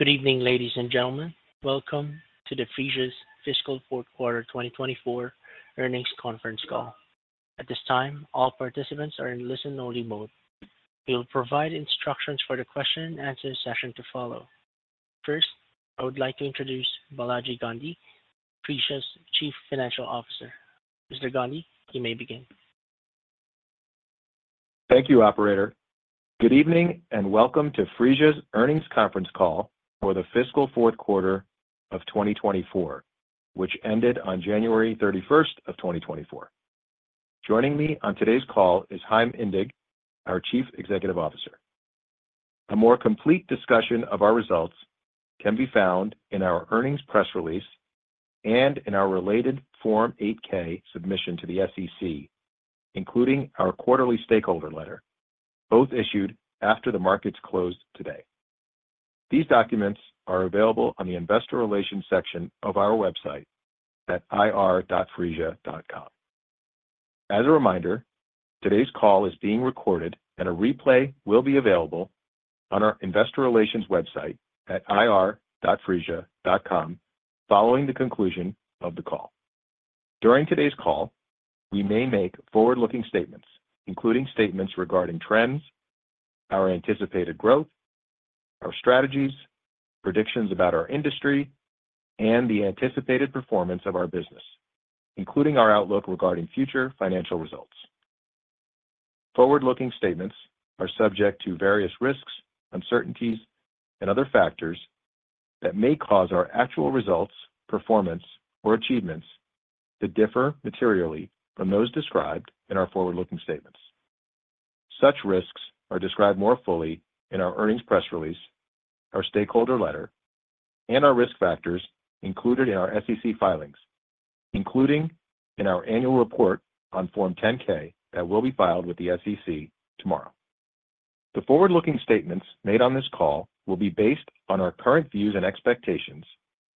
Good evening, ladies and gentlemen. Welcome to Phreesia's Fiscal Fourth Quarter 2024 Earnings Conference Call. At this time, all participants are in listen-only mode. We will provide instructions for the question and answer session to follow. First, I would like to introduce Balaji Gandhi, Phreesia's Chief Financial Officer. Mr. Gandhi, you may begin. Thank you, operator. Good evening, and welcome to Phreesia's earnings conference call for the Fiscal Fourth Quarter of 2024, which ended on January 31, 2024. Joining me on today's call is Chaim Indig, our Chief Executive Officer. A more complete discussion of our results can be found in our earnings press release and in our related Form 8-K submission to the SEC, including our quarterly stakeholder letter, both issued after the markets closed today. These documents are available on the investor relations section of our website at ir.phreesia.com. As a reminder, today's call is being recorded, and a replay will be available on our investor relations website at ir.phreesia.com following the conclusion of the call. During today's call, we may make forward-looking statements, including statements regarding trends, our anticipated growth, our strategies, predictions about our industry, and the anticipated performance of our business, including our outlook regarding future financial results. Forward-looking statements are subject to various risks, uncertainties, and other factors that may cause our actual results, performance, or achievements to differ materially from those described in our forward-looking statements. Such risks are described more fully in our earnings press release, our stakeholder letter, and our risk factors included in our SEC filings, including in our annual report on Form 10-K that will be filed with the SEC tomorrow. The forward-looking statements made on this call will be based on our current views and expectations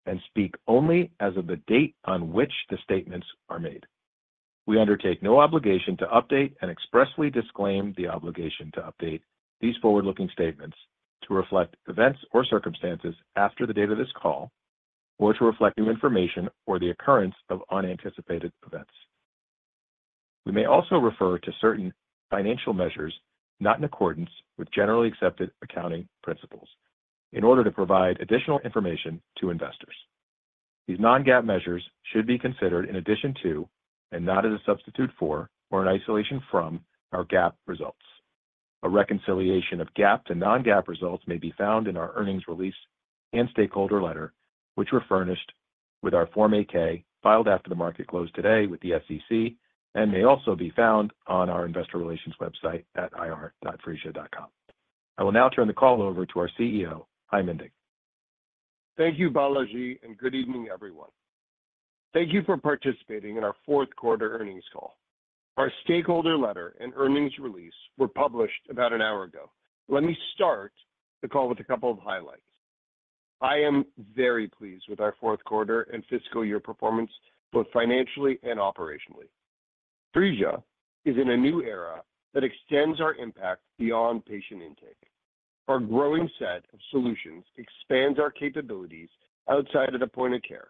and speak only as of the date on which the statements are made. We undertake no obligation to update and expressly disclaim the obligation to update these forward-looking statements to reflect events or circumstances after the date of this call, or to reflect new information or the occurrence of unanticipated events. We may also refer to certain financial measures not in accordance with generally accepted accounting principles in order to provide additional information to investors. These non-GAAP measures should be considered in addition to, and not as a substitute for, or in isolation from, our GAAP results. A reconciliation of GAAP to non-GAAP results may be found in our earnings release and stakeholder letter, which were furnished with our Form 8-K, filed after the market closed today with the SEC and may also be found on our investor relations website at ir.phreesia.com. I will now turn the call over to our CEO, Chaim Indig. Thank you, Balaji, and good evening, everyone. Thank you for participating in our fourth quarter earnings call. Our stakeholder letter and earnings release were published about an hour ago. Let me start the call with a couple of highlights. I am very pleased with our fourth quarter and fiscal year performance, both financially and operationally. Phreesia is in a new era that extends our impact beyond patient intake. Our growing set of solutions expands our capabilities outside of the point of care,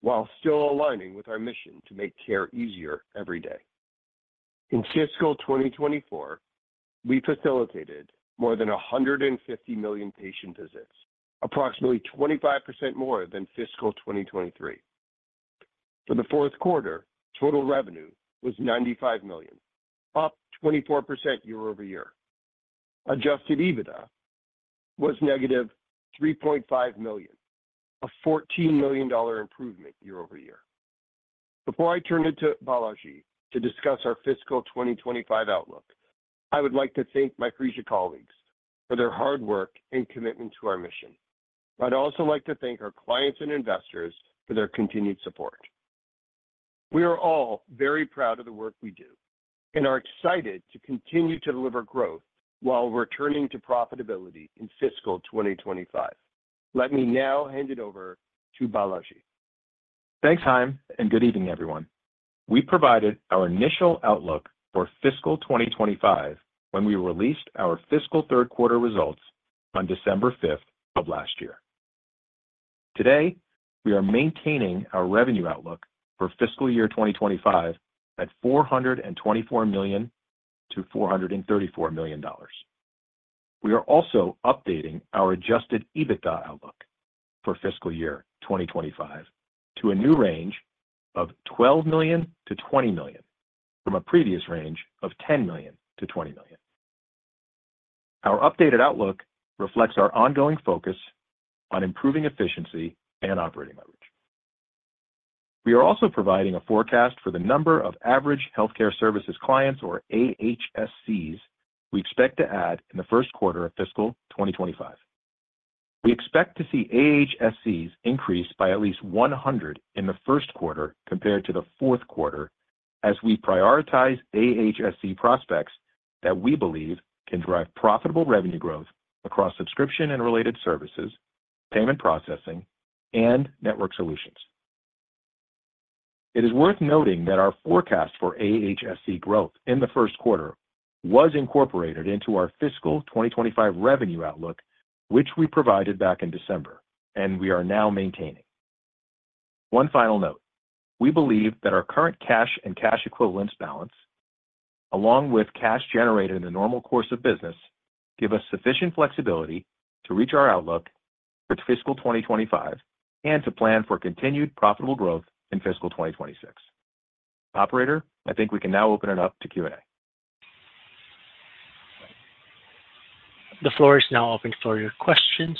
while still aligning with our mission to make care easier every day. In fiscal 2024, we facilitated more than 150 million patient visits, approximately 25% more than fiscal 2023. For the fourth quarter, total revenue was $95 million, up 24% year-over-year. Adjusted EBITDA was -$3.5 million, a $14 million improvement year-over-year. Before I turn it to Balaji to discuss our fiscal 2025 outlook, I would like to thank my Phreesia colleagues for their hard work and commitment to our mission. I'd also like to thank our clients and investors for their continued support. We are all very proud of the work we do and are excited to continue to deliver growth while returning to profitability in fiscal 2025. Let me now hand it over to Balaji. Thanks, Chaim, and good evening, everyone. We provided our initial outlook for fiscal 2025 when we released our fiscal third quarter results on December 5 of last year. Today, we are maintaining our revenue outlook for fiscal year 2025 at $424 million-$434 million. We are also updating our Adjusted EBITDA outlook for fiscal year 2025 to a new range of $12 million-$20 million, from a previous range of $10 million-$20 million. Our updated outlook reflects our ongoing focus on improving efficiency and operating leverage. We are also providing a forecast for the number of average healthcare services clients, or AHSCs, we expect to add in the first quarter of fiscal 2025. We expect to see AHSCs increase by at least 100 in the first quarter compared to the fourth quarter, as we prioritize AHSC prospects that we believe can drive profitable revenue growth across subscription and related services, payment processing, and network solutions. It is worth noting that our forecast for AHSC growth in the first quarter was incorporated into our fiscal 2025 revenue outlook, which we provided back in December, and we are now maintaining. One final note: We believe that our current cash and cash equivalents balance, along with cash generated in the normal course of business, give us sufficient flexibility to reach our outlook for fiscal 2025 and to plan for continued profitable growth in fiscal 2026. Operator, I think we can now open it up to Q&A. The floor is now open for your questions.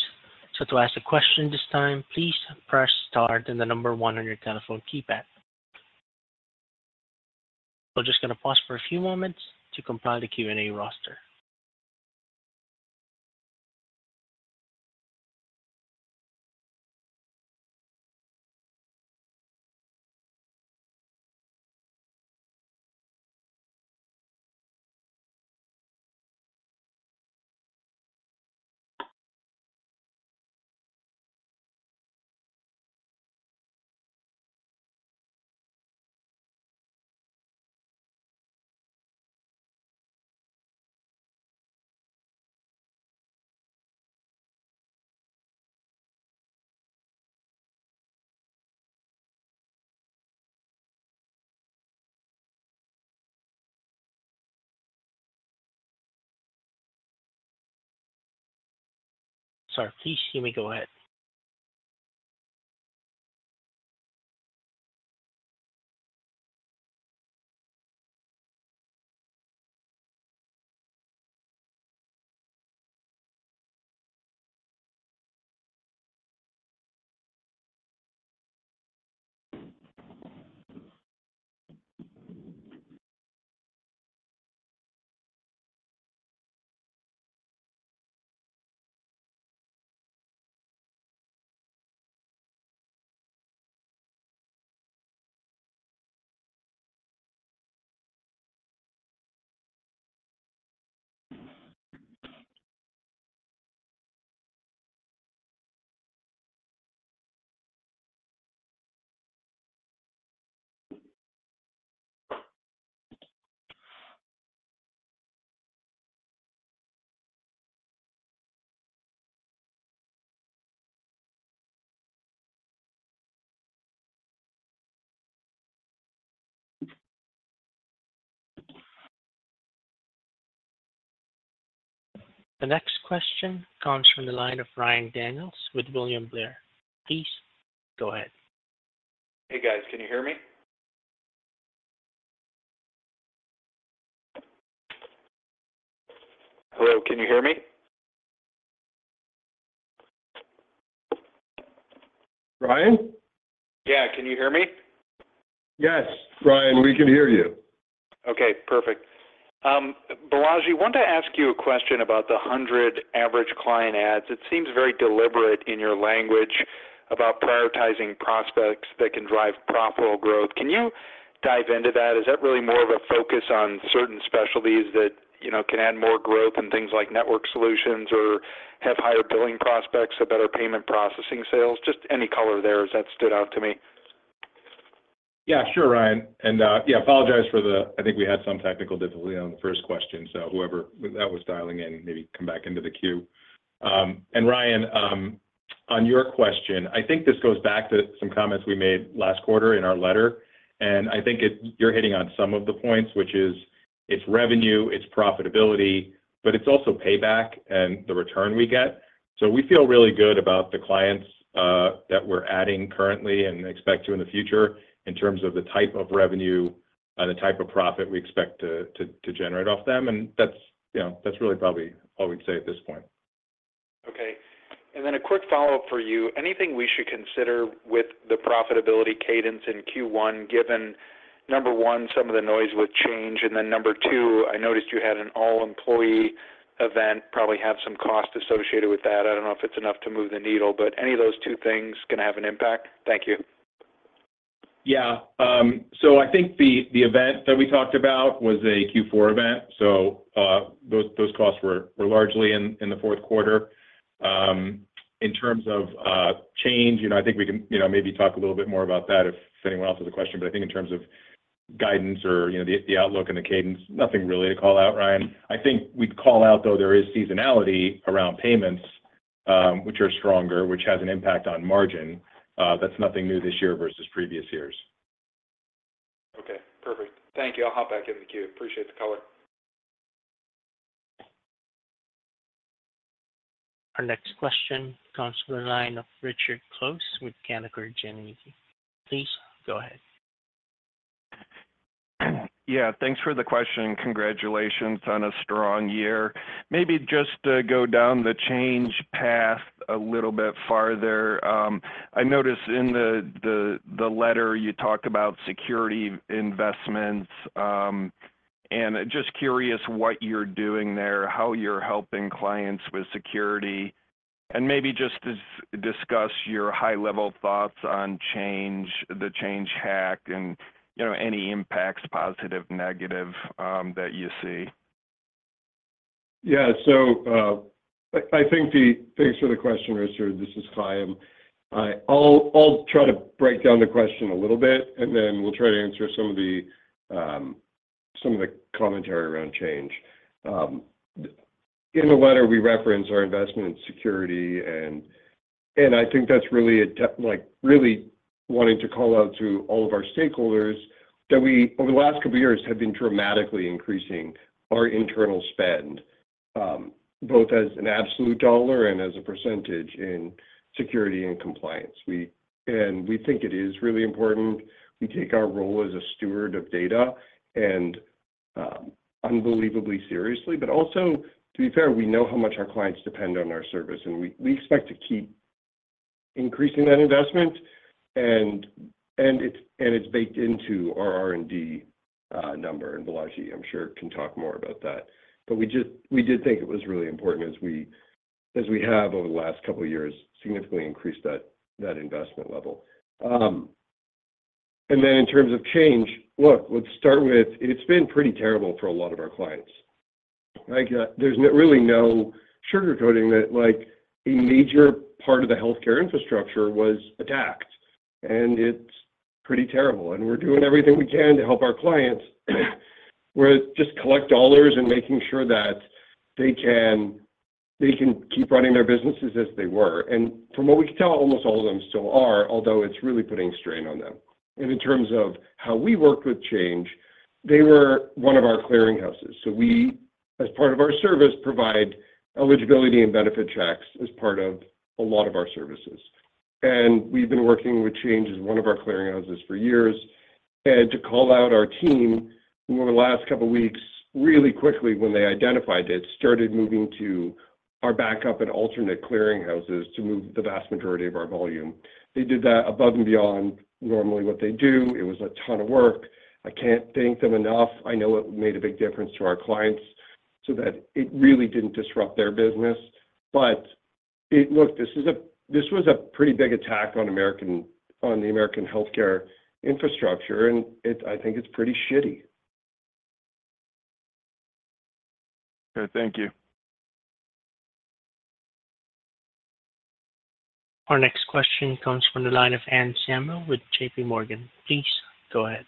So to ask a question this time, please press star then the number one on your telephone keypad. We're just going to pause for a few moments to compile the Q&A roster. Sorry, please, you may go ahead. The next question comes from the line of Ryan Daniels with William Blair. Please go ahead. Hey, guys, can you hear me? Hello, can you hear me? Ryan? Yeah. Can you hear me? Yes, Ryan, we can hear you. Okay, perfect. Balaji, I wanted to ask you a question about the 100 average client adds. It seems very deliberate in your language about prioritizing prospects that can drive profitable growth. Can you dive into that? Is that really more of a focus on certain specialties that, you know, can add more growth and things like network solutions or have higher billing prospects or better payment processing sales? Just any color there, as that stood out to me. Yeah, sure, Ryan. And, yeah, apologize for the... I think we had some technical difficulty on the first question, so whoever that was dialing in, maybe come back into the queue. And Ryan, on your question, I think this goes back to some comments we made last quarter in our letter, and I think you're hitting on some of the points, which is it's revenue, it's profitability, but it's also payback and the return we get. So we feel really good about the clients that we're adding currently and expect to in the future in terms of the type of revenue and the type of profit we expect to generate off them. And that's, you know, that's really probably all we'd say at this point. Okay. And then a quick follow-up for you. Anything we should consider with the profitability cadence in Q1, given, number one, some of the noise with Change, and then number two, I noticed you had an all-employee event, probably have some cost associated with that. I don't know if it's enough to move the needle, but any of those two things going to have an impact? Thank you. Yeah. So I think the event that we talked about was a Q4 event, so those costs were largely in the fourth quarter. In terms of Change, you know, I think we can, you know, maybe talk a little bit more about that if anyone else has a question, but I think in terms of guidance or, you know, the outlook and the cadence, nothing really to call out, Ryan. I think we'd call out, though, there is seasonality around payments, which are stronger, which has an impact on margin. That's nothing new this year versus previous years. Okay, perfect. Thank you. I'll hop back in the queue. Appreciate the color. Our next question comes from the line of Richard Close with Canaccord Genuity. Please go ahead. Yeah, thanks for the question, and congratulations on a strong year. Maybe just go down the Change path a little bit farther. I noticed in the letter you talked about security investments, and just curious what you're doing there, how you're helping clients with security, and maybe just discuss your high-level thoughts on Change, the Change hack and, you know, any impacts, positive, negative, that you see?... Yeah. So, I think thanks for the question, Richard. This is Chaim. I'll try to break down the question a little bit, and then we'll try to answer some of the commentary around Change. In the letter, we reference our investment in security, and I think that's really like, really wanting to call out to all of our stakeholders that we, over the last couple of years, have been dramatically increasing our internal spend, both as an absolute dollar and as a percentage in security and compliance. And we think it is really important. We take our role as a steward of data and unbelievably seriously. But also, to be fair, we know how much our clients depend on our service, and we expect to keep increasing that investment, and it's baked into our R&D number, and Balaji, I'm sure, can talk more about that. But we just, we did think it was really important as we have, over the last couple of years, significantly increased that investment level. And then in terms of Change, look, let's start with, it's been pretty terrible for a lot of our clients. Like, there's really no sugarcoating that, like, a major part of the healthcare infrastructure was attacked, and it's pretty terrible, and we're doing everything we can to help our clients, we're just collect dollars and making sure that they can keep running their businesses as they were. From what we can tell, almost all of them still are, although it's really putting strain on them. In terms of how we worked with Change, they were one of our clearinghouses. We, as part of our service, provide eligibility and benefit checks as part of a lot of our services. We've been working with Change as one of our clearinghouses for years. To call out our team, who over the last couple of weeks, really quickly, when they identified it, started moving to our backup and alternate clearinghouses to move the vast majority of our volume. They did that above and beyond normally what they do. It was a ton of work. I can't thank them enough. I know it made a big difference to our clients, so that it really didn't disrupt their business. But it... Look, this was a pretty big attack on the American healthcare infrastructure, and I think it's pretty shitty. Okay, thank you. Our next question comes from the line of Anne Samuel with JPMorgan. Please go ahead.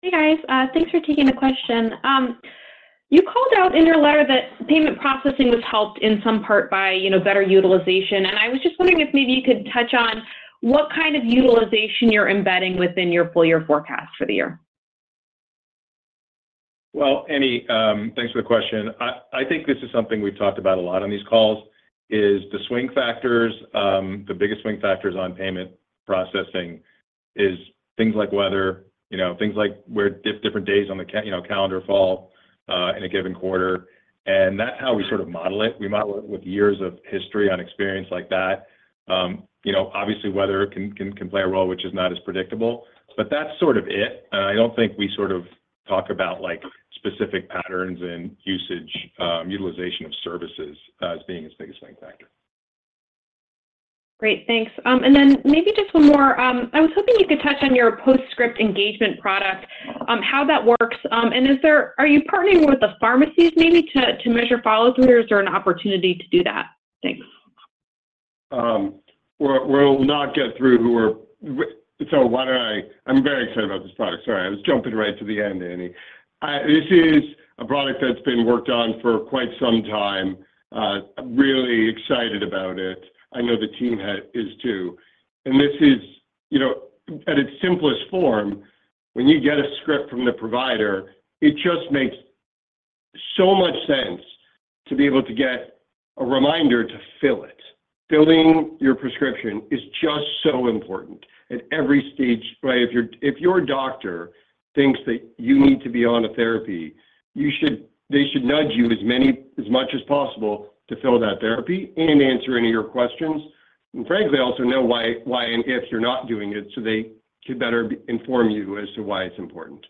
Hey, guys. Thanks for taking the question. You called out in your letter that payment processing was helped in some part by, you know, better utilization, and I was just wondering if maybe you could touch on what kind of utilization you're embedding within your full year forecast for the year? Well, Annie, thanks for the question. I think this is something we've talked about a lot on these calls, is the swing factors. The biggest swing factors on payment processing is things like weather, you know, things like where different days on the calendar fall in a given quarter, and that's how we sort of model it. We model it with years of history on experience like that. You know, obviously, weather can play a role which is not as predictable, but that's sort of it. And I don't think we sort of talk about, like, specific patterns and usage, utilization of services, as being as big a swing factor. Great, thanks. And then maybe just one more. I was hoping you could touch on your Post-Script engagement product, how that works. And are you partnering with the pharmacies maybe to to measure follow-through, or is there an opportunity to do that? Thanks. So why don't I... I'm very excited about this product. Sorry, I was jumping right to the end, Annie. This is a product that's been worked on for quite some time. I'm really excited about it. I know the team is, too. And this is, you know, at its simplest form, when you get a script from the provider, it just makes so much sense to be able to get a reminder to fill it. Filling your prescription is just so important at every stage, right? If your doctor thinks that you need to be on a therapy, they should nudge you as many, as much as possible to fill that therapy and answer any of your questions. And frankly, also know why, why, and if you're not doing it, so they can better inform you as to why it's important.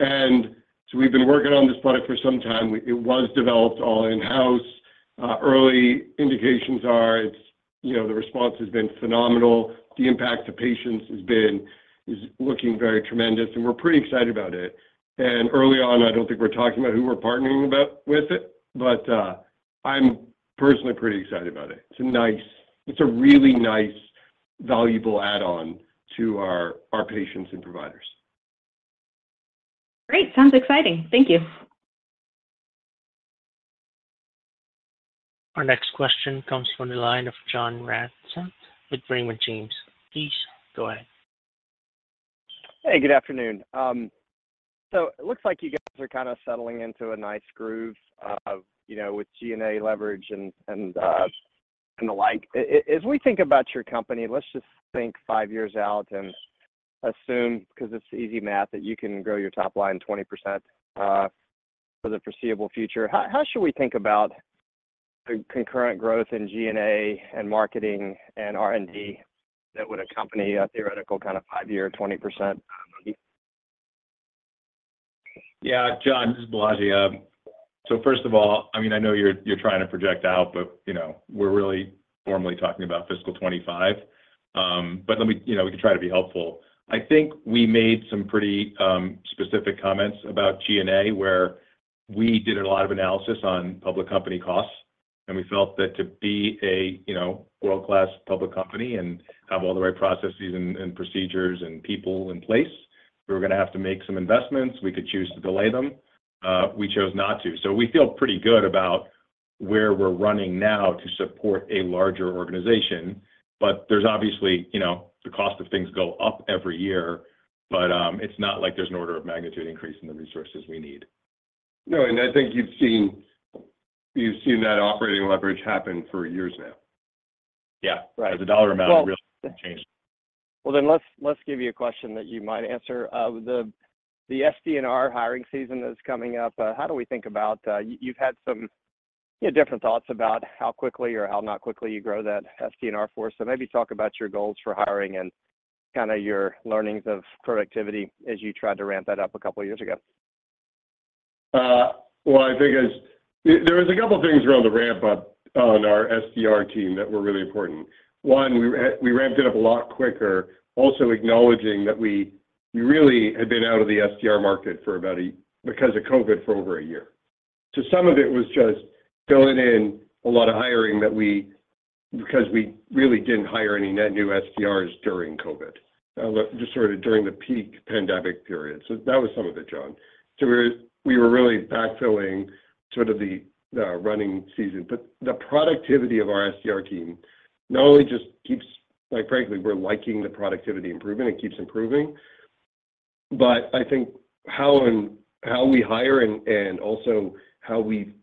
And so we've been working on this product for some time. It was developed all in-house. Early indications are it's, you know, the response has been phenomenal. The impact to patients has been, is looking very tremendous, and we're pretty excited about it. And early on, I don't think we're talking about who we're partnering about with it, but, I'm personally pretty excited about it. It's a nice... It's a really nice, valuable add-on to our, our patients and providers. Great. Sounds exciting. Thank you. Our next question comes from the line of John Ransom with Raymond James. Please go ahead. Hey, good afternoon. So it looks like you guys are kind of settling into a nice groove of, you know, with G&A leverage and the like. As we think about your company, let's just think five years out and assume, because it's easy math, that you can grow your top line 20% for the foreseeable future. How should we think about the concurrent growth in G&A and marketing and R&D that would accompany a theoretical kind of five-year 20%? Yeah, John, this is Balaji. So first of all, I mean, I know you're, you're trying to project out, but, you know, we're really formally talking about fiscal 25. But let me, you know, we can try to be helpful. I think we made some pretty specific comments about G&A, where we did a lot of analysis on public company costs, and we felt that to be a, you know, world-class public company and have all the right processes and, and procedures and people in place, we were gonna have to make some investments. We could choose to delay them. We chose not to. We feel pretty good about where we're running now to support a larger organization, but there's obviously, you know, the cost of things go up every year, but it's not like there's an order of magnitude increase in the resources we need. No, and I think you've seen, you've seen that operating leverage happen for years now. Yeah. Right. As the dollar amount really changed. Well, then let's give you a question that you might answer. The SDR hiring season is coming up. How do we think about, you've had some, you know, different thoughts about how quickly or how not quickly you grow that SDR force. So maybe talk about your goals for hiring and kinda your learnings of productivity as you tried to ramp that up a couple of years ago. Well, I think there was a couple of things around the ramp up on our SDR team that were really important. One, we ramped it up a lot quicker, also acknowledging that we really had been out of the SDR market for about because of COVID, for over a year. So some of it was just filling in a lot of hiring that because we really didn't hire any net new SDRs during COVID, just sort of during the peak pandemic period. So that was some of it, John. So we were really backfilling sort of the running season. But the productivity of our SDR team not only just keeps... Like, frankly, we're liking the productivity improvement, it keeps improving. But I think how we hire and also how we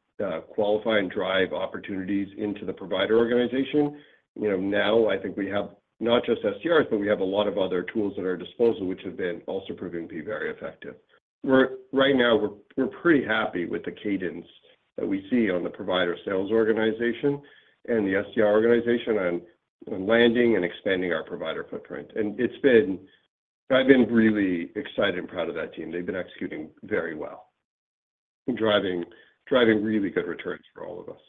qualify and drive opportunities into the provider organization, you know, now I think we have not just SDRs, but we have a lot of other tools at our disposal, which have been also proven to be very effective. We're right now, we're pretty happy with the cadence that we see on the provider sales organization and the SDR organization on landing and expanding our provider footprint. And it's been. I've been really excited and proud of that team. They've been executing very well and driving really good returns for all of us.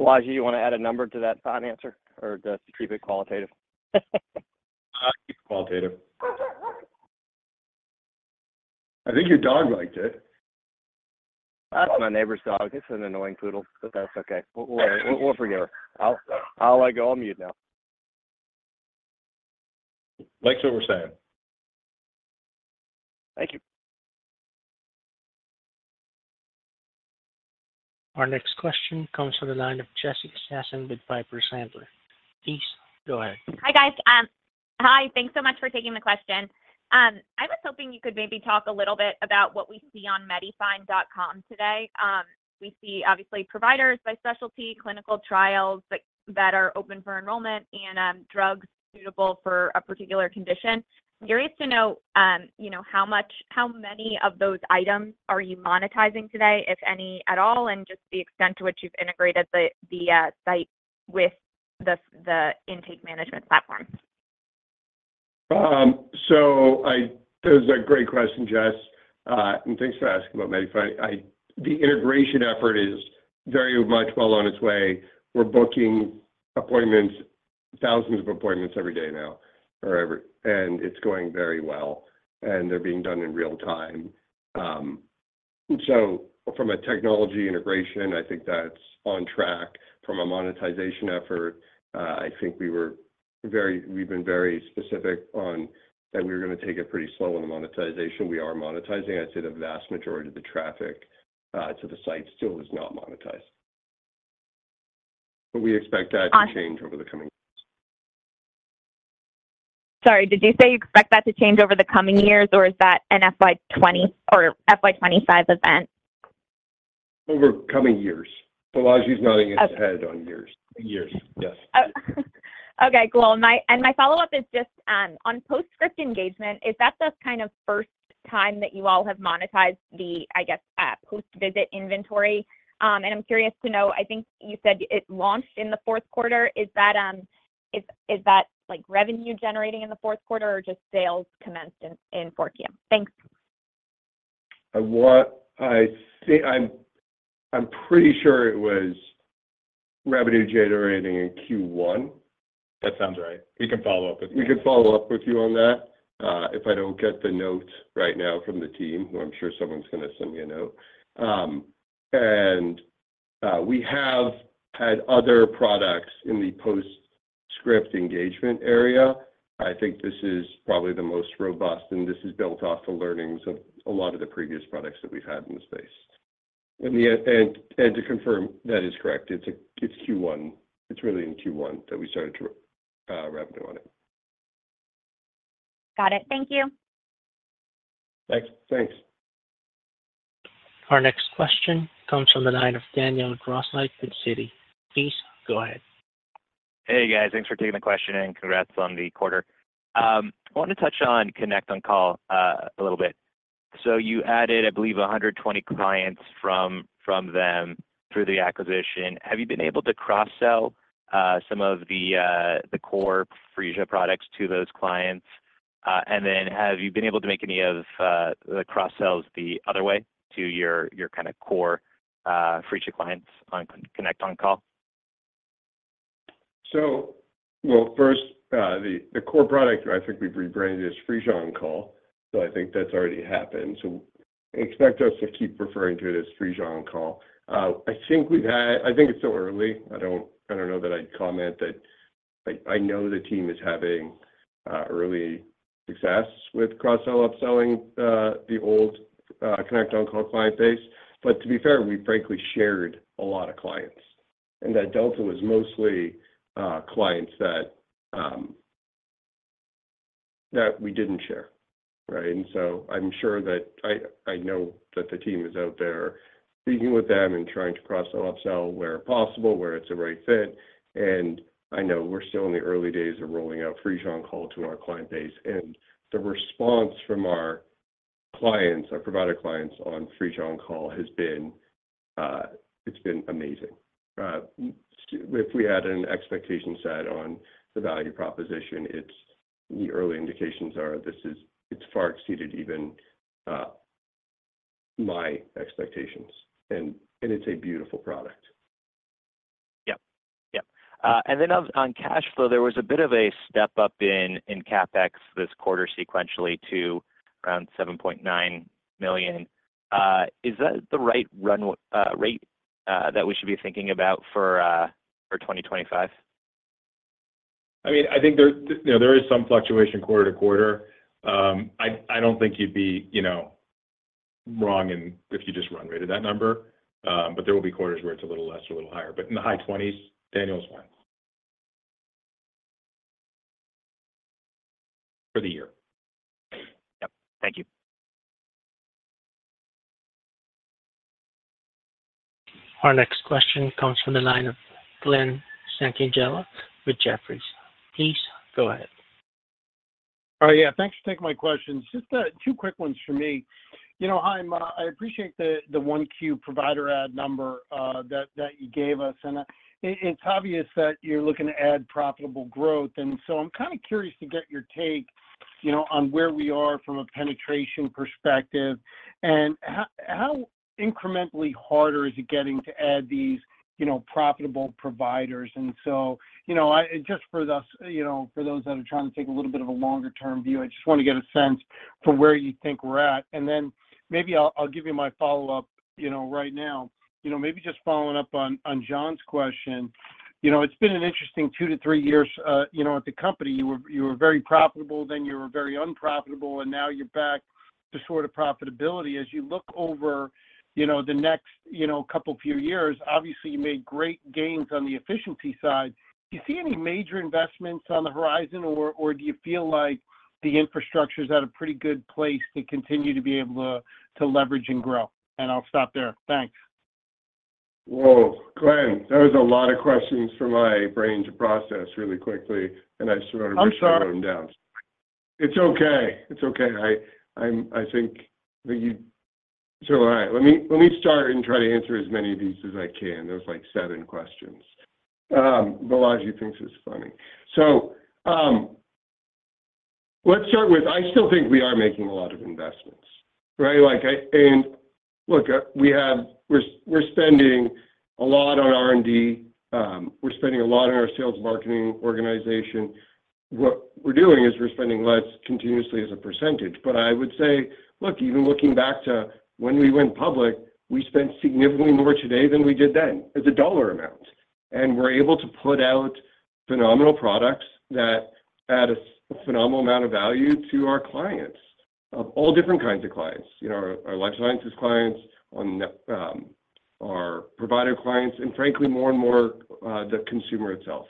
Balaji, you want to add a number to that thought answer or just keep it qualitative? Keep it qualitative. I think your dog liked it. That's my neighbor's dog. It's an annoying poodle, but that's okay. We'll forgive her. I'll let go on mute now. Likes what we're saying. Thank you. Our next question comes from the line of Jessica Tassan with Piper Sandler. Please go ahead. Hi, guys. Hi, thanks so much for taking the question. I was hoping you could maybe talk a little bit about what we see on MediFind.com today. We see obviously providers by specialty, clinical trials that are open for enrollment, and drugs suitable for a particular condition. Curious to know, you know, how much, how many of those items are you monetizing today, if any at all, and just the extent to which you've integrated the site with the intake management platform? That is a great question, Jess. And thanks for asking about MediFind. The integration effort is very much well on its way. We're booking appointments, thousands of appointments every day now and it's going very well, and they're being done in real time. So from a technology integration, I think that's on track. From a monetization effort, I think we've been very specific on that we were gonna take it pretty slow on the monetization. We are monetizing. I'd say the vast majority of the traffic to the site still is not monetized. But we expect that to change over the coming years. Sorry, did you say you expect that to change over the coming years, or is that an FY 2020 or FY 2025 event? Over coming years. Balaji is nodding his head on years. Years, yes. Oh, okay, cool. My and my follow-up is just on Post-Script engagement, is that the kind of first time that you all have monetized the, I guess, post-visit inventory? And I'm curious to know, I think you said it launched in the fourth quarter. Is that like revenue generating in the fourth quarter or just sales commenced in 4Q? Thanks. I'm pretty sure it was revenue generating in Q1. That sounds right. We can follow up with you. We can follow up with you on that, if I don't get the note right now from the team, who I'm sure someone's gonna send me a note. And we have had other products in the Post-Script engagement area. I think this is probably the most robust, and this is built off the learnings of a lot of the previous products that we've had in the space. And to confirm, that is correct. It's Q1. It's really in Q1 that we started to revenue on it. Got it. Thank you. Thanks. Thanks. Our next question comes from the line of Daniel Grosslight with Citi. Please go ahead. Hey, guys. Thanks for taking the question, and congrats on the quarter. I want to touch on ConnectOnCall a little bit. So you added, I believe, 120 clients from, from them through the acquisition. Have you been able to cross-sell some of the, the core Phreesia products to those clients? And then have you been able to make any of, the cross-sells the other way to your, your kinda core, Phreesia clients on ConnectOnCall?... So, well, first, the core product, I think we've rebranded as Phreesia On Call, so I think that's already happened. So expect us to keep referring to it as Phreesia On Call. I think we've had. I think it's still early. I don't know that I'd comment that I know the team is having early success with cross-sell, upselling, the old ConnectOnCall client base. But to be fair, we frankly shared a lot of clients, and that delta was mostly clients that we didn't share, right? And so I'm sure that I know the team is out there speaking with them and trying to cross-sell, upsell, where possible, where it's the right fit. I know we're still in the early days of rolling out Phreesia On Call to our client base, and the response from our clients, our provider clients on Phreesia On Call has been, it's been amazing. If we had an expectation set on the value proposition, it's the early indications are this is, it's far exceeded even my expectations, and it's a beautiful product. Yep. Yep. And then on cash flow, there was a bit of a step up in CapEx this quarter sequentially to around $7.9 million. Is that the right run rate that we should be thinking about for 2025? I mean, I think there, you know, there is some fluctuation quarter to quarter. I don't think you'd be, you know, wrong in if you just run rated that number, but there will be quarters where it's a little less or a little higher, but in the high twenties, Daniel is right. For the year. Yep. Thank you. Our next question comes from the line of Glen Santangelo with Jefferies. Please go ahead. Oh, yeah, thanks for taking my questions. Just, two quick ones for me. You know, Chaim, I appreciate the 1Q provider add number, that you gave us, and, it's obvious that you're looking to add profitable growth. And so I'm kinda curious to get your take, you know, on where we are from a penetration perspective, and how incrementally harder is it getting to add these, you know, profitable providers? And so, you know, just for us, you know, for those that are trying to take a little bit of a longer-term view, I just wanna get a sense for where you think we're at. And then maybe I'll, I'll give you my follow-up, you know, right now. You know, maybe just following up on John's question, you know, it's been an interesting 2-3 years, you know, at the company. You were very profitable, then you were very unprofitable, and now you're back to sort of profitability. As you look over the next couple of years, obviously, you made great gains on the efficiency side. Do you see any major investments on the horizon, or do you feel like the infrastructure is at a pretty good place to continue to be able to leverage and grow? And I'll stop there. Thanks. Whoa, Glen, that was a lot of questions for my brain to process really quickly, and I sort of- I'm sorry. Write them down. It's okay. It's okay. I think that you... So, all right. Let me start and try to answer as many of these as I can. There's like seven questions. Balaji thinks it's funny. So, let's start with, I still think we are making a lot of investments, right? Like, and look, we're spending a lot on R&D, we're spending a lot on our sales marketing organization. What we're doing is we're spending less continuously as a percentage. But I would say, look, even looking back to when we went public, we spent significantly more today than we did then as a dollar amount. And we're able to put out phenomenal products that add a phenomenal amount of value to our clients, of all different kinds of clients, you know, our life sciences clients, our provider clients, and frankly, more and more, the consumer itself.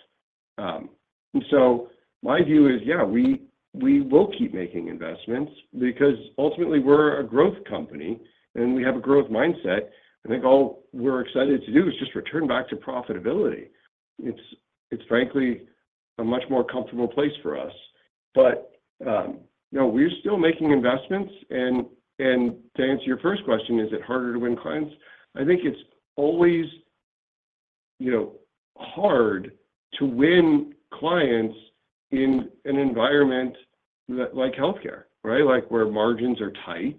And so my view is, yeah, we will keep making investments because ultimately, we're a growth company and we have a growth mindset. I think all we're excited to do is just return back to profitability. It's frankly a much more comfortable place for us. But, you know, we're still making investments, and to answer your first question, is it harder to win clients? I think it's always, you know, hard to win clients in an environment like healthcare, right? Like, where margins are tight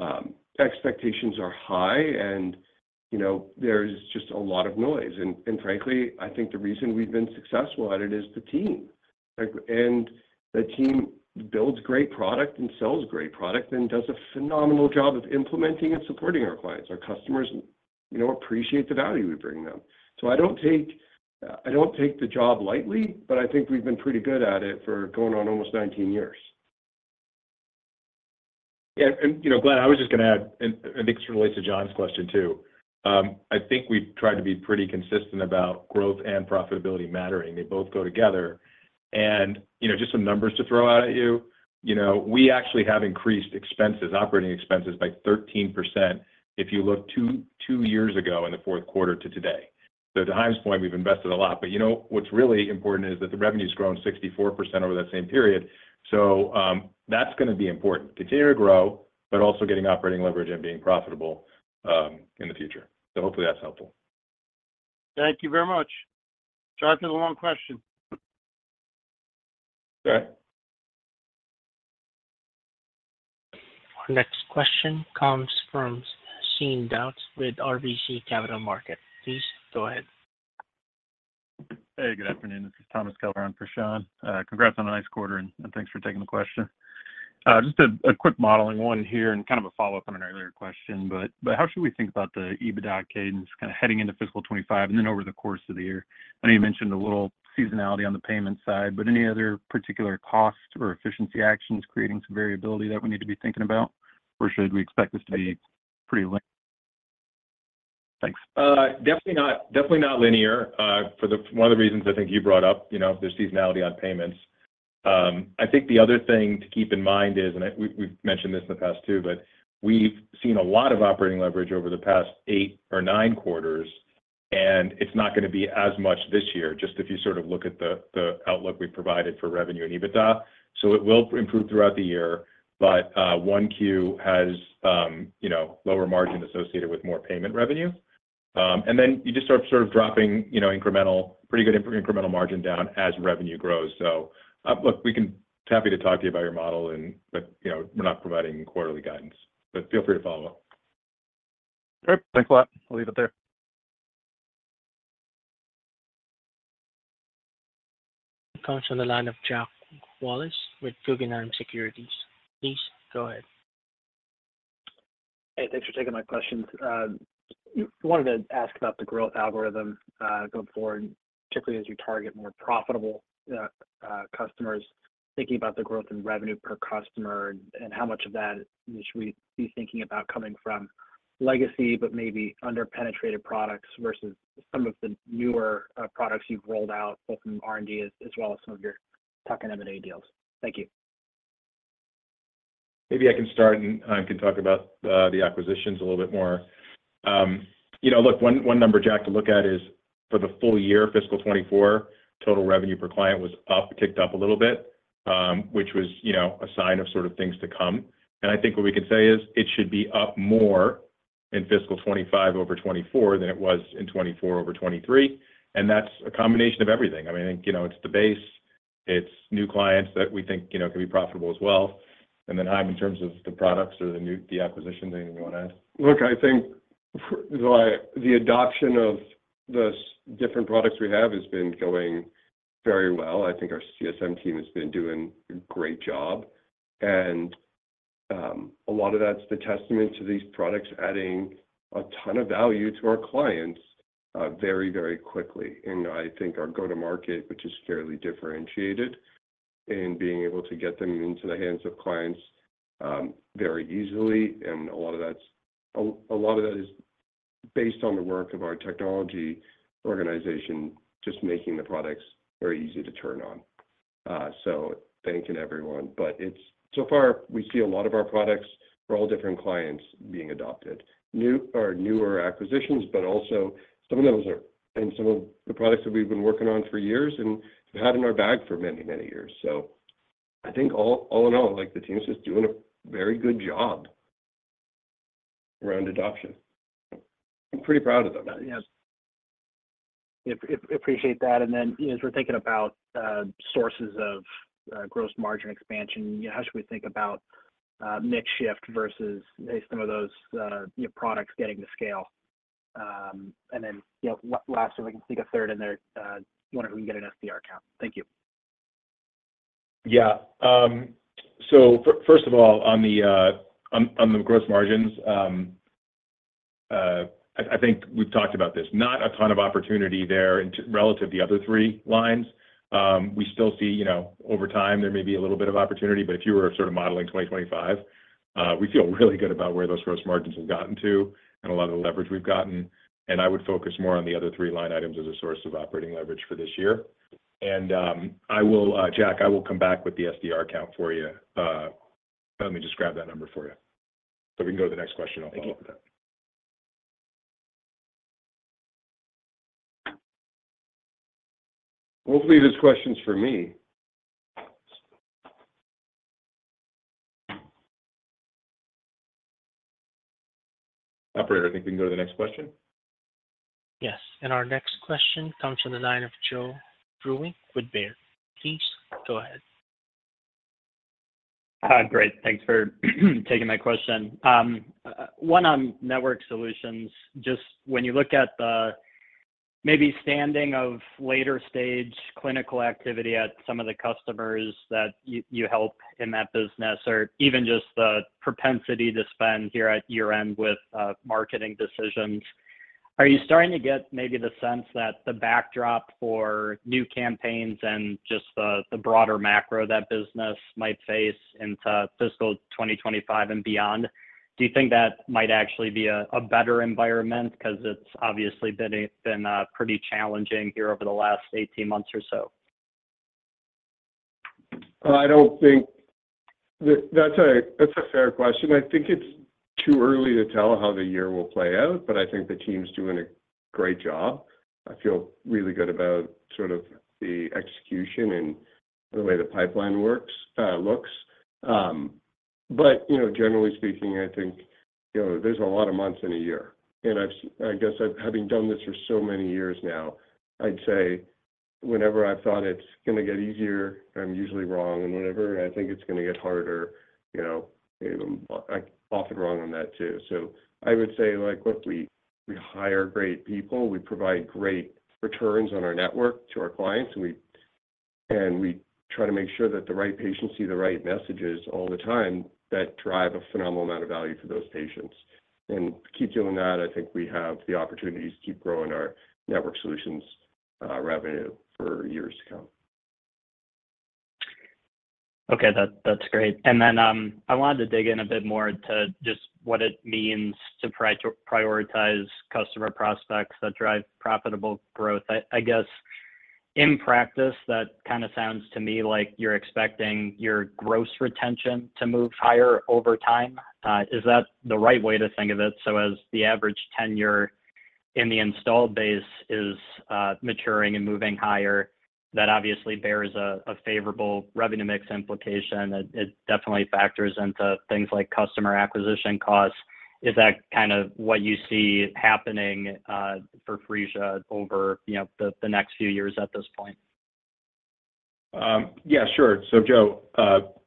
and expectations are high and, you know, there's just a lot of noise. And frankly, I think the reason we've been successful at it is the team. Like, and the team builds great product and sells great product and does a phenomenal job of implementing and supporting our clients. Our customers, you know, appreciate the value we bring them. So I don't take the job lightly, but I think we've been pretty good at it for going on almost 19 years. Yeah, and, you know, Glen, I was just gonna add, and I think this relates to John's question, too. I think we've tried to be pretty consistent about growth and profitability mattering. They both go together. And, you know, just some numbers to throw out at you, you know, we actually have increased expenses, operating expenses by 13% if you look two years ago in the fourth quarter to today. So to Chaim's point, we've invested a lot, but you know, what's really important is that the revenue has grown 64% over that same period. So, that's gonna be important, continue to grow, but also getting operating leverage and being profitable, in the future. So hopefully, that's helpful. Thank you very much. Sorry for the long question. Okay.... Our next question comes from Sean Dodge with RBC Capital Markets. Please go ahead. Hey, good afternoon. This is Thomas Kelliher on for Sean Dodge. Congrats on a nice quarter, and thanks for taking the question. Just a quick modeling one here and kind of a follow-up on an earlier question, but how should we think about the EBITDA cadence kind of heading into fiscal 2025 and then over the course of the year? I know you mentioned a little seasonality on the payment side, but any other particular costs or efficiency actions creating some variability that we need to be thinking about? Or should we expect this to be pretty linear? Thanks. Definitely not, definitely not linear. One of the reasons I think you brought up, you know, there's seasonality on payments. I think the other thing to keep in mind is, we've mentioned this in the past too, but we've seen a lot of operating leverage over the past eight or nine quarters, and it's not gonna be as much this year, just if you sort of look at the outlook we've provided for revenue and EBITDA. So it will improve throughout the year, but 1Q has, you know, lower margin associated with more payment revenue. And then you just start sort of dropping, you know, incremental margin down as revenue grows. So, look, we can... Happy to talk to you about your model, but, you know, we're not providing quarterly guidance, but feel free to follow up. Great. Thanks a lot. I'll leave it there. Comes from the line of Jack Wallace with Guggenheim Securities. Please go ahead. Hey, thanks for taking my questions. Wanted to ask about the growth algorithm, going forward, particularly as you target more profitable customers, thinking about the growth in revenue per customer and, and how much of that should we be thinking about coming from legacy, but maybe under-penetrated products versus some of the newer products you've rolled out, both from R&D as well as some of your tuck-in M&A deals. Thank you. Maybe I can start, and Chaim can talk about the acquisitions a little bit more. You know, look, one, one number, Jack, to look at is for the full year, fiscal 2024, total revenue per client was up, ticked up a little bit, which was, you know, a sign of sort of things to come. And I think what we can say is it should be up more in fiscal 2025 over 2024 than it was in 2024 over 2023, and that's a combination of everything. I mean, you know, it's the base, it's new clients that we think, you know, could be profitable as well. And then, Chaim, in terms of the products or the new- the acquisition, anything you want to add? Look, I think the adoption of the different products we have has been going very well. I think our CSM team has been doing a great job, and a lot of that's the testament to these products adding a ton of value to our clients very, very quickly. And I think our go-to-market, which is fairly differentiated in being able to get them into the hands of clients very easily, and a lot of that's a lot of that is based on the work of our technology organization, just making the products very easy to turn on. So thank you to everyone. But so far, we see a lot of our products for all different clients being adopted. New or newer acquisitions, but also some of those are and some of the products that we've been working on for years and have had in our bag for many, many years. So I think all, all in all, like, the team is just doing a very good job around adoption. I'm pretty proud of them. Yeah. Appreciate that, and then as we're thinking about sources of gross margin expansion, how should we think about mix shift versus some of those, you know, products getting to scale? And then, you know, last, so we can sneak a third in there, wondering if we can get an SDR count. Thank you. Yeah. So first of all, on the gross margins, I think we've talked about this. Not a ton of opportunity there relative to the other three lines. We still see, you know, over time, there may be a little bit of opportunity, but if you were sort of modeling 2025, we feel really good about where those gross margins have gotten to and a lot of the leverage we've gotten. And, Jack, I will come back with the SDR count for you. Let me just grab that number for you, so we can go to the next question. I'll follow up with that. Thank you. Hopefully, this question's for me. Operator, I think we can go to the next question. Yes, and our next question comes from the line of Joe Vruwink with Baird. Please go ahead. Great. Thanks for taking my question. One on network solutions. Just when you look at the maybe standing of later-stage clinical activity at some of the customers that you, you help in that business, or even just the propensity to spend here at year-end with marketing decisions, are you starting to get maybe the sense that the backdrop for new campaigns and just the, the broader macro that business might face into fiscal 2025 and beyond? Do you think that might actually be a better environment? Because it's obviously been, been pretty challenging here over the last 18 months or so. That's a fair question. I think it's too early to tell how the year will play out, but I think the team's doing a great job. I feel really good about sort of the execution and the way the pipeline works, looks. But, you know, generally speaking, I think, you know, there's a lot of months in a year, and I guess I've, having done this for so many years now, I'd say whenever I've thought it's gonna get easier, I'm usually wrong, and whenever I think it's gonna get harder, you know, I'm often wrong on that, too. So I would say, like, look, we, we hire great people, we provide great returns on our network to our clients, and we, and we try to make sure that the right patients see the right messages all the time that drive a phenomenal amount of value to those patients. And we keep doing that, I think we have the opportunity to keep growing our network solutions, revenue for years to come. Okay, that's great. And then I wanted to dig in a bit more to just what it means to prioritize customer prospects that drive profitable growth. I guess, in practice, that kind of sounds to me like you're expecting your gross retention to move higher over time. Is that the right way to think of it? So as the average tenure in the installed base is maturing and moving higher, that obviously bears a favorable revenue mix implication. It definitely factors into things like customer acquisition costs. Is that kind of what you see happening for Phreesia over, you know, the next few years at this point? Yeah, sure. So, Joe,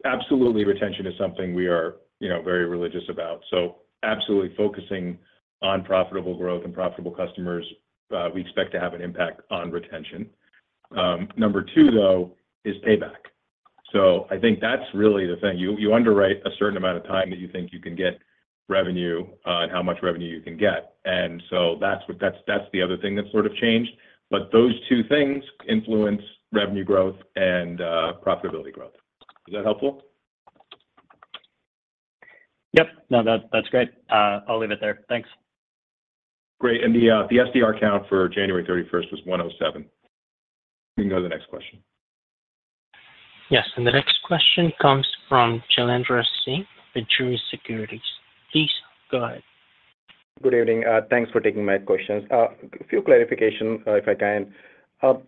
absolutely, retention is something we are, you know, very religious about. So absolutely focusing on profitable growth and profitable customers, we expect to have an impact on retention. Number two, though, is payback. So I think that's really the thing. You underwrite a certain amount of time that you think you can get revenue, and how much revenue you can get. And so that's what. That's the other thing that's sort of changed. But those two things influence revenue growth and profitability growth. Is that helpful? Yep. No, that, that's great. I'll leave it there. Thanks. Great. And the SDR count for January thirty-first was 107. You can go to the next question. Yes, and the next question comes from Jailendra Singh with Truist Securities. Please, go ahead. Good evening. Thanks for taking my questions. A few clarifications, if I can.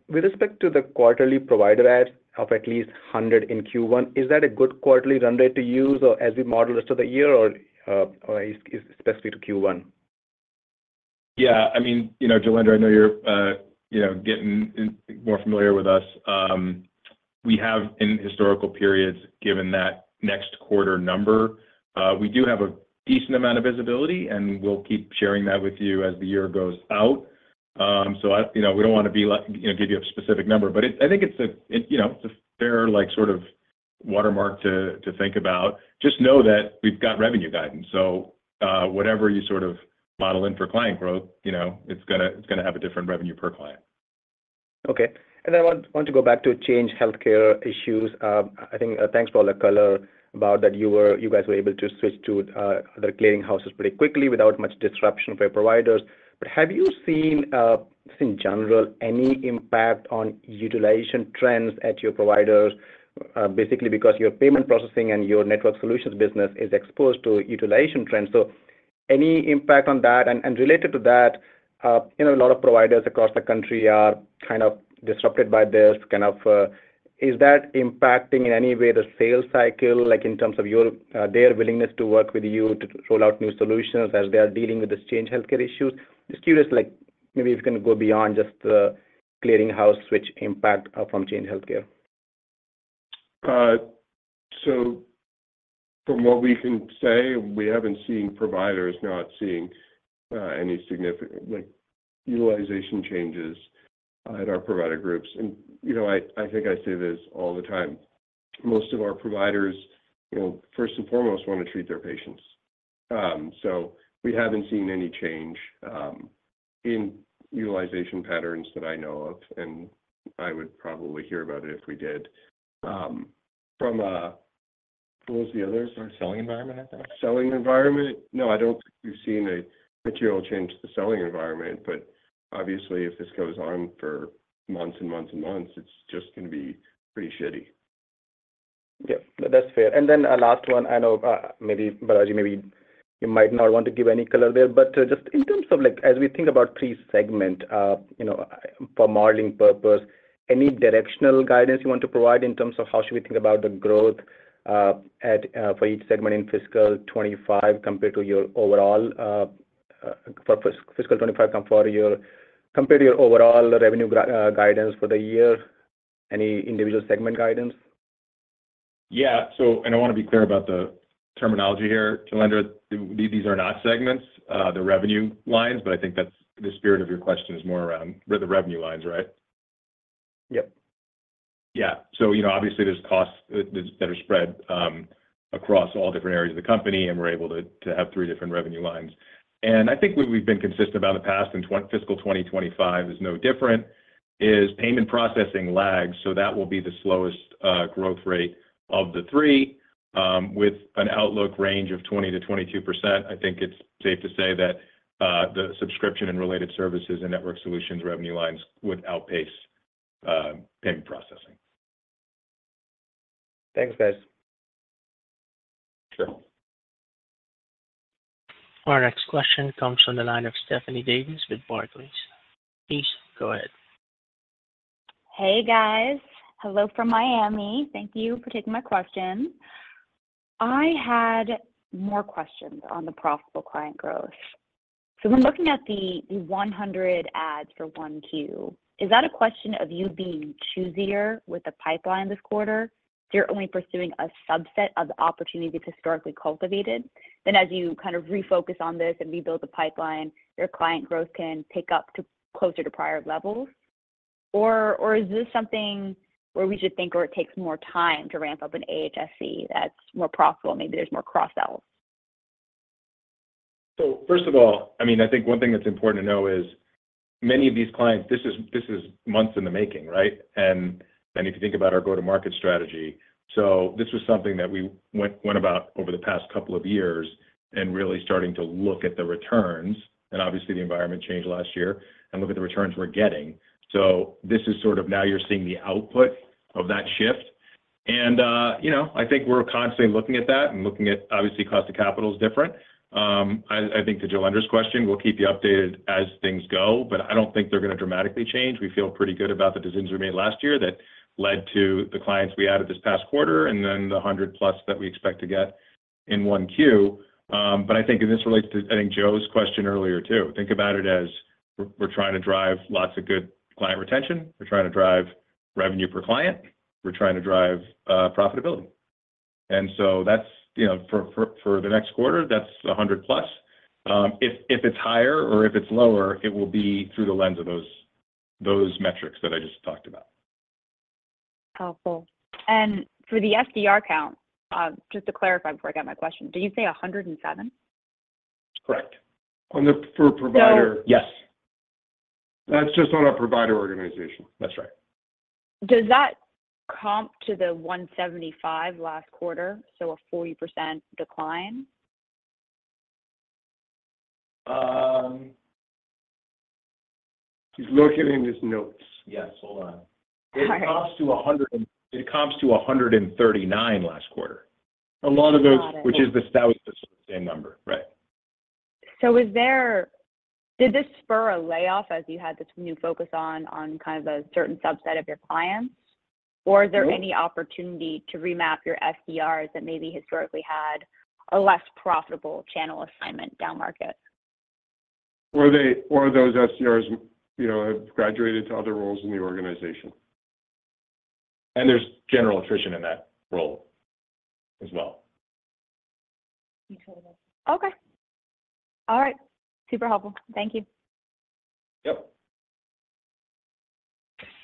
With respect to the quarterly provider adds of at least 100 in Q1, is that a good quarterly run rate to use or as we model rest of the year, or is it specific to Q1? Yeah. I mean, you know, Jailendra, I know you're, you know, getting more familiar with us. We have in historical periods, given that next quarter number, we do have a decent amount of visibility, and we'll keep sharing that with you as the year goes out. So, I, you know, we don't want to be like, you know, give you a specific number, but it- I think it's a, it, you know, it's a fair, like, sort of watermark to, to think about. Just know that we've got revenue guidance, so, whatever you sort of model in for client growth, you know, it's gonna, it's gonna have a different revenue per client. Okay. I want to go back to Change Healthcare issues. I think thanks for all the color about that you guys were able to switch to other clearinghouses pretty quickly without much disruption for your providers. But have you seen, just in general, any impact on utilization trends at your providers? Basically, because your payment processing and your network solutions business is exposed to utilization trends. So any impact on that? And related to that, you know, a lot of providers across the country are kind of disrupted by this kind of... Is that impacting in any way the sales cycle, like, in terms of your, their willingness to work with you to roll out new solutions as they are dealing with this Change Healthcare issues? Just curious, like, maybe if you can go beyond just the clearinghouse, which impact from Change Healthcare? So from what we can say, we haven't seen providers not seeing any significant, like, utilization changes at our provider groups. And, you know, I think I say this all the time: Most of our providers, you know, first and foremost, want to treat their patients. So we haven't seen any change in utilization patterns that I know of, and I would probably hear about it if we did. From a... What was the other? Our selling environment, I think. Selling environment? No, I don't think we've seen a material change to the selling environment, but obviously, if this goes on for months and months and months, it's just gonna be pretty shitty. Yeah, that's fair. And then a last one, I know, maybe Balaji, maybe you might not want to give any color there, but, just in terms of like, as we think about per segment, you know, for modeling purpose, any directional guidance you want to provide in terms of how should we think about the growth, at, for each segment in fiscal 2025 compared to your overall, for fiscal 2025 compared to your compare to your overall revenue guidance for the year? Any individual segment guidance? Yeah. So, and I wanna be clear about the terminology here, Jailendra. These, these are not segments, they're revenue lines, but I think that's the spirit of your question is more around the revenue lines, right? Yep. Yeah. So, you know, obviously, there's costs that are spread across all different areas of the company, and we're able to have three different revenue lines. And I think we've been consistent about the past, and fiscal 2025 is no different, is payment processing lags, so that will be the slowest growth rate of the three. With an outlook range of 20%-22%, I think it's safe to say that the subscription and related services and network solutions revenue lines would outpace payment processing. Thanks, guys. Sure. Our next question comes from the line of Stephanie Davis with Barclays. Please go ahead. Hey, guys. Hello from Miami. Thank you for taking my question.... I had more questions on the profitable client growth. So when looking at the, the 100 adds for 1Q, is that a question of you being choosier with the pipeline this quarter? You're only pursuing a subset of the opportunities historically cultivated, then as you kind of refocus on this and rebuild the pipeline, your client growth can pick up to closer to prior levels. Or, or is this something where we should think, or it takes more time to ramp up an AHSC that's more profitable, maybe there's more cross-sells? So first of all, I mean, I think one thing that's important to know is many of these clients, this is months in the making, right? And then if you think about our go-to-market strategy, so this was something that we went about over the past couple of years and really starting to look at the returns, and obviously the environment changed last year, and look at the returns we're getting. So this is sort of now you're seeing the output of that shift. And, you know, I think we're constantly looking at that and looking at obviously, cost of capital is different. I think to Jailendra's question, we'll keep you updated as things go, but I don't think they're gonna dramatically change. We feel pretty good about the decisions we made last year that led to the clients we added this past quarter, and then the 100+ that we expect to get in 1Q. But I think, and this relates to, I think, Joe's question earlier, too. Think about it as we're, we're trying to drive lots of good client retention, we're trying to drive revenue per client, we're trying to drive profitability. And so that's, you know, for, for, for the next quarter, that's a 100+. If it's higher or if it's lower, it will be through the lens of those, those metrics that I just talked about. Helpful. For the SDR count, just to clarify before I get my question, did you say 107? Correct. On the for provider- Yes. That's just on our provider organization. That's right. Does that comp to the 175 last quarter, so a 40% decline? He's looking in his notes. Yes, hold on. All right. It comps to 139 last quarter. A lot of those- Got it. Which is the same number, right? So, did this spur a layoff as you had this new focus on kind of a certain subset of your clients? No. Or is there any opportunity to remap your SDRs that maybe historically had a less profitable channel assignment downmarket? Or they, or those SDRs, you know, have graduated to other roles in the organization. There's general attrition in that role as well. Okay. All right. Super helpful. Thank you. Yep.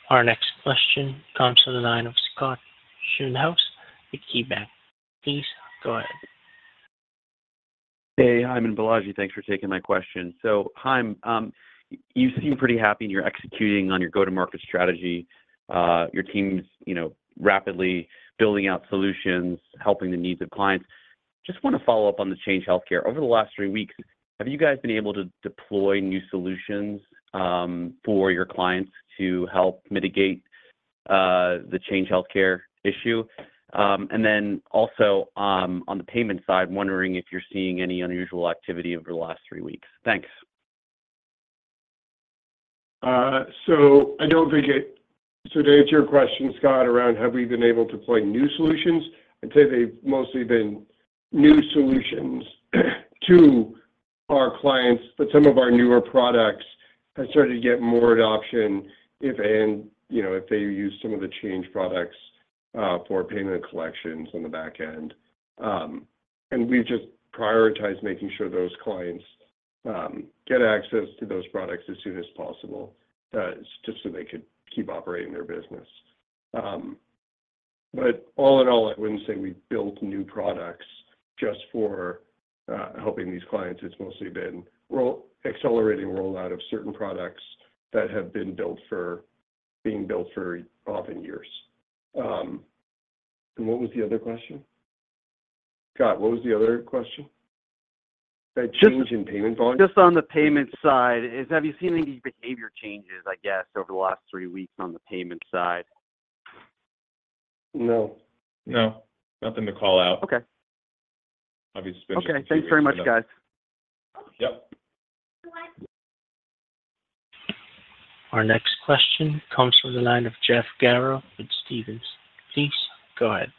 Our next question comes to the line of Scott Schoenhaus with KeyBanc. Please, go ahead. Hey, Chaim and Balaji, thanks for taking my question. So, Chaim, you seem pretty happy, and you're executing on your go-to-market strategy. Your team's, you know, rapidly building out solutions, helping the needs of clients. Just want to follow up on the Change Healthcare. Over the last three weeks, have you guys been able to deploy new solutions for your clients to help mitigate the Change Healthcare issue? And then also, on the payment side, wondering if you're seeing any unusual activity over the last three weeks. Thanks. So to answer your question, Scott, around have we been able to deploy new solutions? I'd say they've mostly been new solutions to our clients, but some of our newer products have started to get more adoption if and, you know, if they use some of the Change products for payment collections on the back end. And we've just prioritized making sure those clients get access to those products as soon as possible, just so they could keep operating their business. But all in all, I wouldn't say we built new products just for helping these clients. It's mostly been accelerating rollout of certain products that have been being built for often years. And what was the other question? Scott, what was the other question? A change in payment volume. Just on the payment side, have you seen any behavior changes, I guess, over the last three weeks on the payment side? No. No, nothing to call out. Okay. Obviously- Okay, thanks very much, guys. Yep. Our next question comes from the line of Jeff Garro with Stephens. Please, go ahead.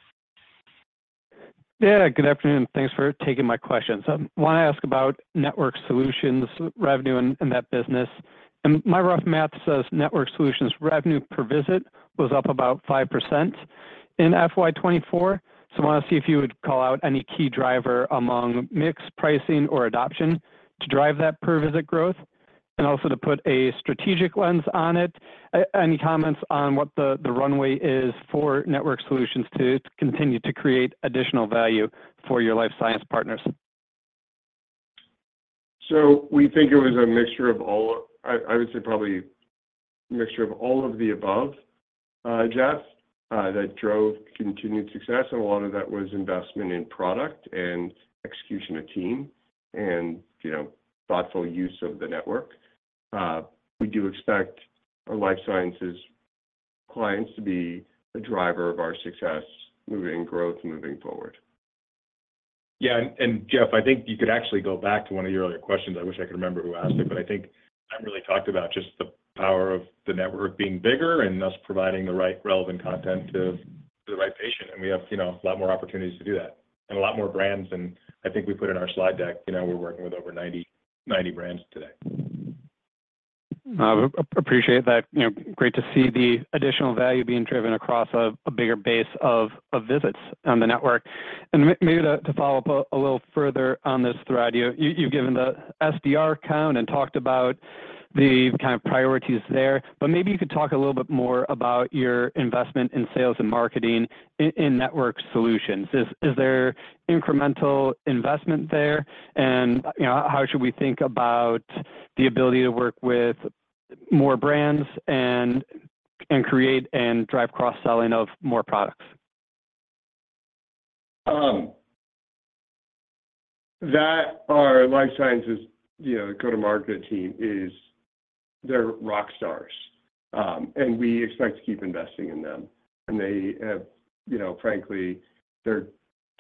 Yeah, good afternoon. Thanks for taking my questions. I want to ask about network solutions revenue, and that business. And my rough math says network solutions revenue per visit was up about 5% in FY 2024. So I want to see if you would call out any key driver among mix, pricing, or adoption to drive that per visit growth, and also to put a strategic lens on it. Any comments on what the runway is for network solutions to continue to create additional value for your life science partners? So we think it was a mixture of all of. I would say probably mixture of all of the above, Jeff, that drove continued success, and a lot of that was investment in product and execution of team and, you know, thoughtful use of the network. We do expect our life sciences clients to be a driver of our success moving growth, moving forward.... Yeah, and Jeff, I think you could actually go back to one of your earlier questions. I wish I could remember who asked it, but I think I really talked about just the power of the network being bigger and thus providing the right relevant content to the right patient, and we have, you know, a lot more opportunities to do that and a lot more brands. And I think we put in our slide deck, you know, we're working with over 90, 90 brands today. I appreciate that. You know, great to see the additional value being driven across a bigger base of visits on the network. And maybe to follow up a little further on this thread, you've given the SDR count and talked about the kind of priorities there, but maybe you could talk a little bit more about your investment in sales and marketing in network solutions. Is there incremental investment there? And, you know, how should we think about the ability to work with more brands and create and drive cross-selling of more products? That our life sciences, you know, go-to-market team is. They're rock stars, and we expect to keep investing in them. They have, you know, frankly, they're.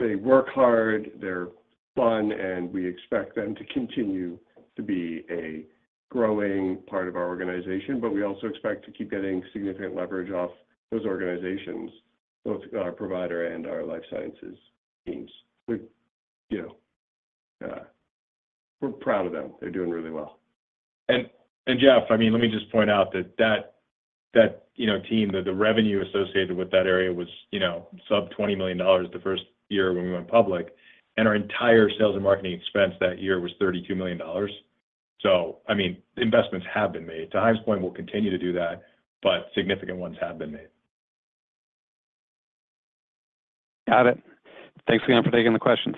They work hard, they're fun, and we expect them to continue to be a growing part of our organization. But we also expect to keep getting significant leverage off those organizations, both our provider and our life sciences teams. We, you know, we're proud of them. They're doing really well. Jeff, I mean, let me just point out that, you know, team, the revenue associated with that area was, you know, sub $20 million the first year when we went public, and our entire sales and marketing expense that year was $32 million. So I mean, investments have been made. To Chaim's point, we'll continue to do that, but significant ones have been made. Got it. Thanks again for taking the questions.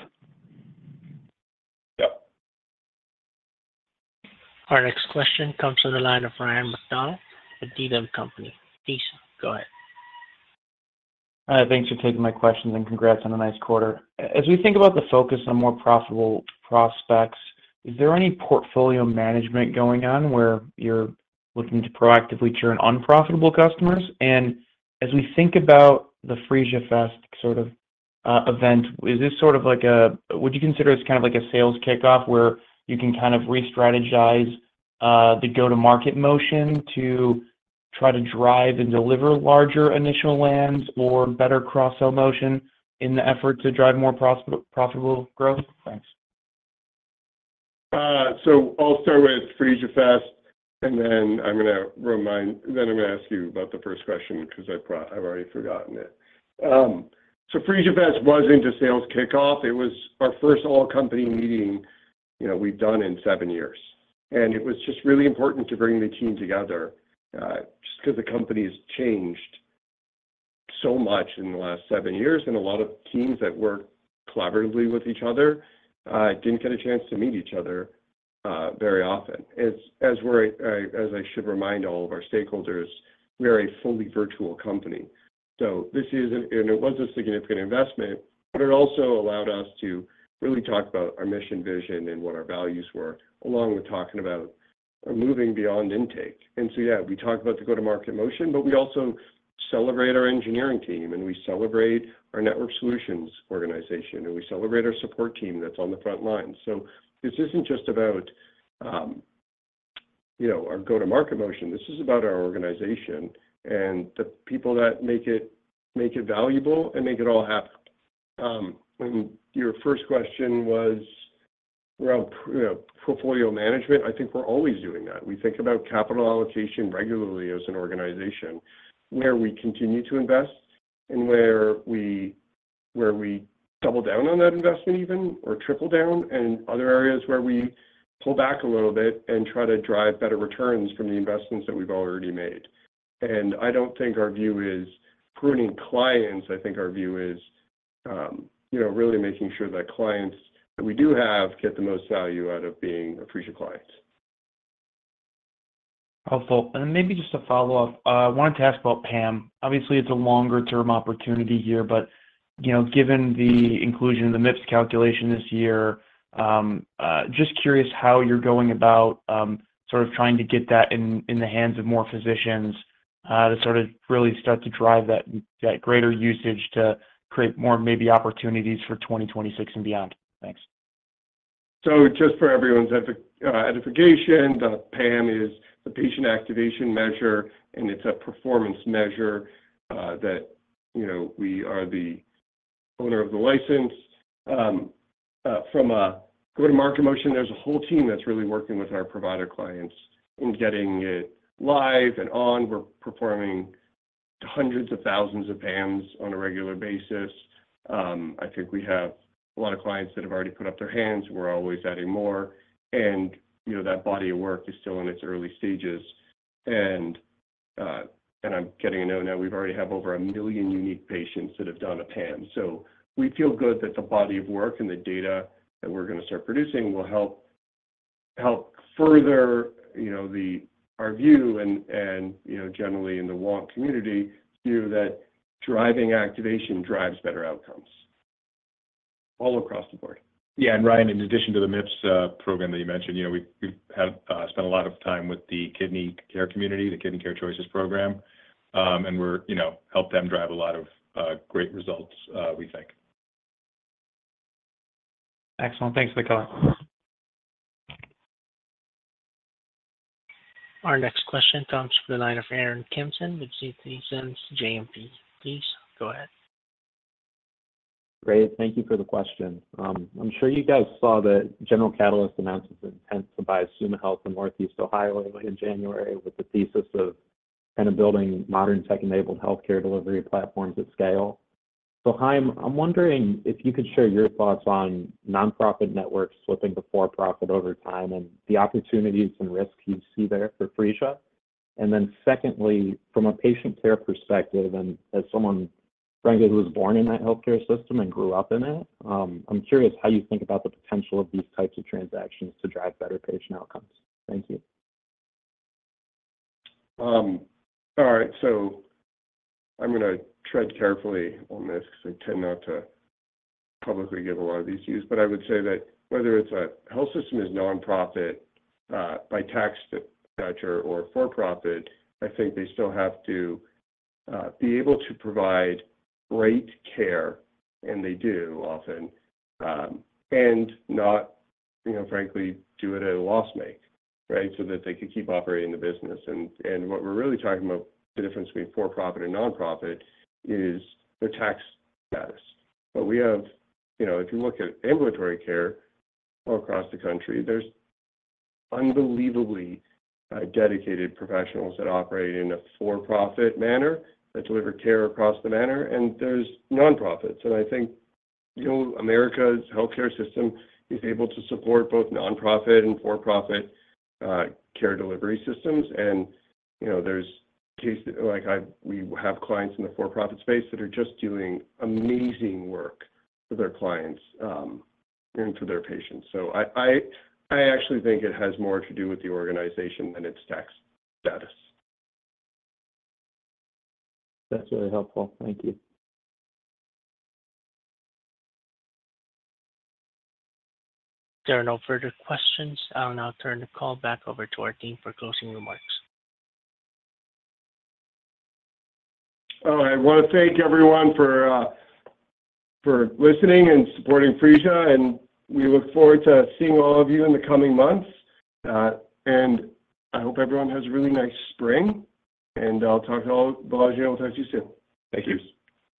Yep. Our next question comes from the line of Ryan MacDonald, Needham & Company. Please go ahead. Hi, thanks for taking my questions, and congrats on a nice quarter. As we think about the focus on more profitable prospects, is there any portfolio management going on where you're looking to proactively churn unprofitable customers? And as we think about the PhreesiaFest sort of event, is this sort of like a sales kickoff where you can kind of restrategize the go-to-market motion to try to drive and deliver larger initial lands or better cross-sell motion in the effort to drive more profitable growth? Thanks. So I'll start with PhreesiaFest, and then I'm gonna remind—then I'm gonna ask you about the first question because I've already forgotten it. So PhreesiaFest was our sales kickoff. It was our first all-company meeting, you know, we've done in seven years, and it was just really important to bring the team together, just because the company has changed so much in the last seven years, and a lot of teams that work collaboratively with each other didn't get a chance to meet each other very often. As I should remind all of our stakeholders, we are a fully virtual company, so this is. And it was a significant investment, but it also allowed us to really talk about our mission, vision, and what our values were, along with talking about moving beyond intake. Yeah, we talked about the go-to-market motion, but we also celebrate our engineering team, and we celebrate our network solutions organization, and we celebrate our support team that's on the front line. This isn't just about, you know, our go-to-market motion. This is about our organization and the people that make it valuable and make it all happen. Your first question was around, you know, portfolio management. I think we're always doing that. We think about capital allocation regularly as an organization, where we continue to invest and where we double down on that investment even, or triple down, and other areas where we pull back a little bit and try to drive better returns from the investments that we've already made. I don't think our view is pruning clients. I think our view is, you know, really making sure that clients that we do have get the most value out of being Phreesia clients. Helpful. And maybe just to follow up, I wanted to ask about PAM. Obviously, it's a longer-term opportunity here, but, you know, given the inclusion of the MIPS calculation this year, just curious how you're going about, sort of trying to get that in, in the hands of more physicians, to sort of really start to drive that, that greater usage to create more maybe opportunities for 2026 and beyond. Thanks. So just for everyone's edification, the PAM is the Patient Activation Measure, and it's a performance measure that, you know, we are the owner of the license. From a go-to-market motion, there's a whole team that's really working with our provider clients in getting it live and on. We're performing hundreds of thousands of PAMs on a regular basis. I think we have a lot of clients that have already put up their hands. We're always adding more, and, you know, that body of work is still in its early stages. And I'm getting a nod now; we've already have over 1 million unique patients that have done a PAM. So we feel good that the body of work and the data that we're gonna start producing will help further, you know, our view, and you know, generally in the work community, view that driving activation drives better outcomes all across the board.... Yeah, and Ryan, in addition to the MIPS program that you mentioned, you know, we, we have spent a lot of time with the kidney care community, the Kidney Care Choices program, and we're, you know, helped them drive a lot of great results, we think. Excellent. Thanks for the call. Our next question comes from the line of Aaron Kimson with Citizens JMP. Please, go ahead. Great, thank you for the question. I'm sure you guys saw that General Catalyst announced its intent to buy Summa Health in Northeast Ohio early in January, with the thesis of kind of building modern tech-enabled healthcare delivery platforms at scale. So Chaim, I'm wondering if you could share your thoughts on nonprofit networks flipping to for-profit over time and the opportunities and risks you see there for Phreesia. And then secondly, from a patient care perspective, and as someone, frankly, who was born in that healthcare system and grew up in it, I'm curious how you think about the potential of these types of transactions to drive better patient outcomes. Thank you. All right. So I'm gonna tread carefully on this because I tend not to publicly give a lot of these views. But I would say that whether it's a health system is nonprofit by tax status or for-profit, I think they still have to be able to provide great care, and they do often, and not, you know, frankly, do it at a loss maker, right? So that they can keep operating the business. And, and what we're really talking about the difference between for-profit and nonprofit is the tax status. But we have... You know, if you look at ambulatory care all across the country, there's unbelievably dedicated professionals that operate in a for-profit manner, that deliver care across the manner, and there's nonprofits. And I think, you know, America's healthcare system is able to support both nonprofit and for-profit care delivery systems. You know, there are cases like we have clients in the for-profit space that are just doing amazing work for their clients, and to their patients. So I actually think it has more to do with the organization than its tax status. That's really helpful. Thank you. If there are no further questions, I'll now turn the call back over to our team for closing remarks. All right. I wanna thank everyone for listening and supporting Phreesia, and we look forward to seeing all of you in the coming months. I hope everyone has a really nice spring, and I'll talk to all, well, I'll talk to you soon. Thank you.